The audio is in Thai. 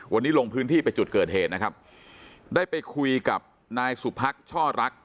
วันนี้ลงพื้นที่ไปจุดเกิดเหตุนะครับได้ไปคุยกับนายสุพักช่อรัก